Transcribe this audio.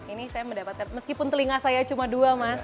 ini saya mendapatkan meskipun telinga saya cuma dua mas